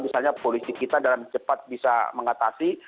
misalnya polisi kita dalam cepat bisa mengatasi